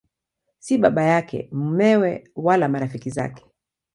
Si baba yake, mumewe wala marafiki zake.